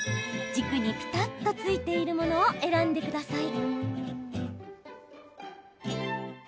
軸にぴたっとついているものを選んでください。